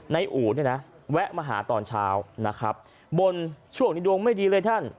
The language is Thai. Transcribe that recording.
อู๋เนี่ยนะแวะมาหาตอนเช้านะครับบนช่วงนี้ดวงไม่ดีเลยท่าน